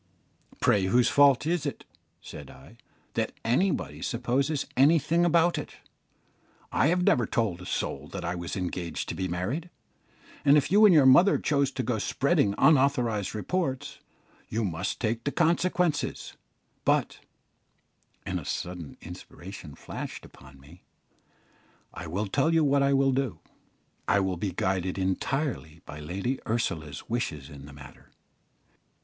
"Pray, whose fault is it," said I, "that anybody supposes anything about it? I have never told a soul that I was engaged to be married, and if you and your mother choose to go spreading unauthorised reports, you must take the consequences; but" and a sudden inspiration flashed upon me "I will tell you what I will do, I will be guided entirely by Lady Ursula's wishes in the matter.